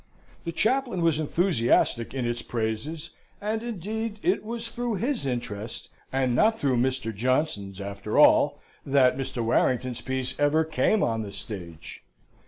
The chaplain was enthusiastic in its praises, and indeed it was through his interest and not through Mr. Johnson's after all, that Mr. Warrington's piece ever came on the stage.